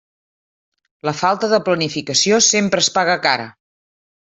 La falta de planificació sempre es paga cara.